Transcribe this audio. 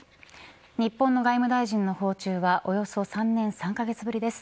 日本の外務大臣の訪中はおよそ３年３カ月ぶりです。